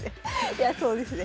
いやそうですね。